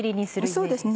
そうですね。